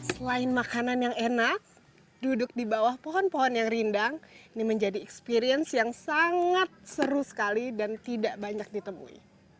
selain makanan yang enak duduk di bawah pohon pohon yang rindang ini menjadi experience yang sangat seru sekali dan tidak banyak ditemui